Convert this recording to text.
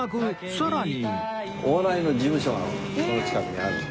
さらに